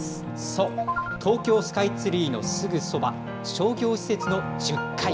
そう、東京スカイツリーのすぐそば、商業施設の１０階。